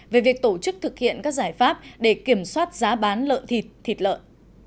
về việc tổ chức thực hiện các giải pháp để kiểm soát giá bán lợn thịt thịt lợn